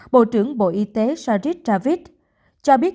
bộ trưởng bộ y tế sadiq javid cho biết